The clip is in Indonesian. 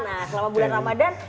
nah selama bulan ramadhan